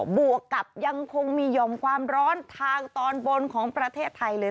บวกกับยังคงมีห่อมความร้อนทางตอนบนของประเทศไทยเลย